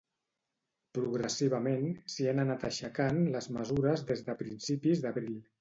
Progressivament, s'hi han anat aixecant les mesures des de principis d'abril.